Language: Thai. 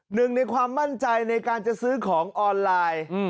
หนึ่งในความมั่นใจในการจะซื้อของออนไลน์